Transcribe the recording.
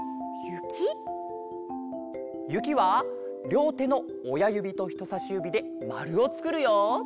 ゆきはりょうてのおやゆびとひとさしゆびでまるをつくるよ！